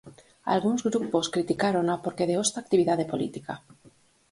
Algúns grupos criticárona porque deosta a actividade política.